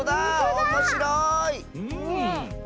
おもしろい！